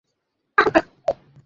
কোথায় গায়েব হয়ে থাকো?